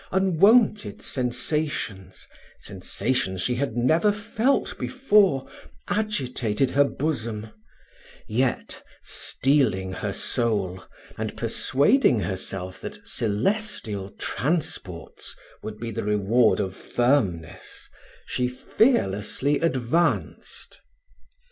Unwonted sensations sensations she had never felt before, agitated her bosom; yet, steeling her soul, and persuading herself that celestial transports would be the reward of firmness, she fearlessly advanced.